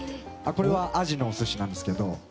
これはアジのお寿司なんですけど。